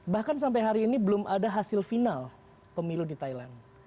bahkan sampai hari ini belum ada hasil final pemilu di thailand